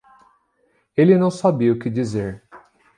Ele não sabia o que dizer.